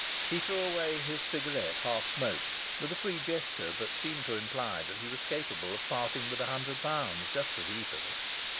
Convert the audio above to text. He threw away his cigarette half smoked, with a free gesture that seemed to imply that he was capable of parting with a hundred pounds just as easily.